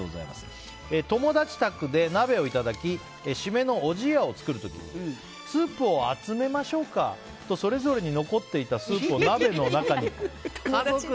友達宅で鍋をいただきシメのおじやを作る時スープを集めましょうかとそれぞれに残っていたスープを鍋の中に。